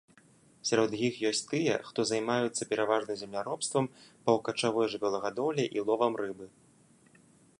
Сярод іх ёсць тыя, хто займаюцца пераважна земляробствам, паўкачавой жывёлагадоўляй і ловам рыбы.